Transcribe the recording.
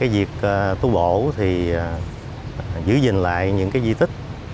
việc tu bổ thì giữ gìn lại những di tích